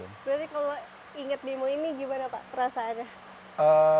berarti kalau inget bemo ini gimana pak rasanya